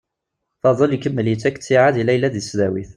Faḍel ikemmel yettak ttiεad i Layla deg tesdawit.